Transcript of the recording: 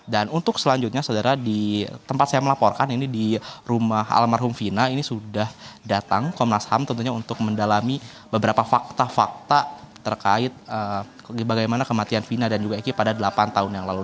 dan untuk selanjutnya saudara di tempat saya melaporkan ini di rumah almarhum vina ini sudah datang komnas ham tentunya untuk mendalami beberapa fakta fakta terkait bagaimana kematian vina dan juga eki pada delapan tahun yang lalu